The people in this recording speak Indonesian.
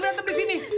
pak yuk apa ini